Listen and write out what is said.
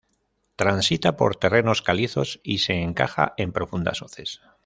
Transita por terrenos calizos y se encaja en profundas hoces.